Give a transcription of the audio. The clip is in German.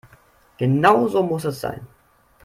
Genau so muss es sein.